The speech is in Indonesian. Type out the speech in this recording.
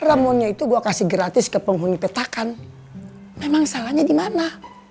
ramonnya itu gue kasih gratis ke penghuni petakan memang salahnya di mana